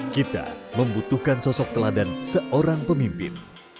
kita membutuhkan sosok teladan seorang pemimpin